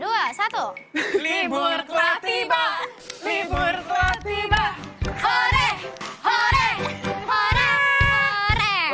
lemparkan tas dan buku mu